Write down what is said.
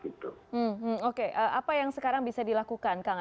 apa yang sekarang bisa dilakukan